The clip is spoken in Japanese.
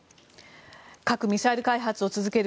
核・ミサイル開発を続ける